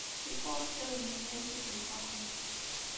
Ifuṛes tagnit-nni ay t-id-iṣaḥen.